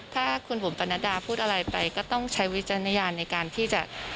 ถ้าคุณบุ๋มปนัดดาพูดอะไรไปก็ต้องใช้วิจารณญาณในการที่จะ